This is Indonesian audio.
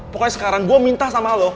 pokoknya sekarang gue minta sama lo